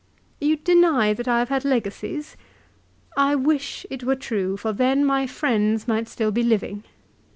" You deny that I have had legacies ? I wish it were true, for then my friends might still be living.